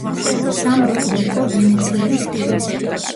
სამრეკლო იყო ვენეციური სტილის.